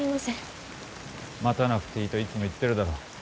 待たなくていいといつも言っているだろう？